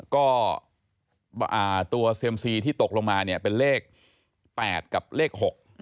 ก็ตัวเซียมซีที่ตกลงมาเนี่ยเป็นเลข๘กับเลข๖